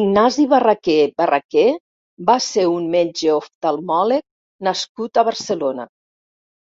Ignasi Barraquer Barraquer va ser un metge oftalmòleg nascut a Barcelona.